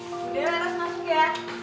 udah laras masuk ya